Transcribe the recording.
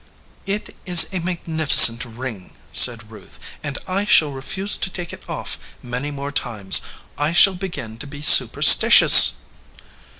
"It is a magnificent ring," said Ruth, "and I shall refuse to take it off many more times. I shall be gin to be superstitious."